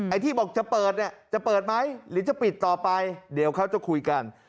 ที่บอกจะเปิดเนี่ยจะเปิดไหมหรือจะปิดต่อไปเดี๋ยวเขาจะคุยกัน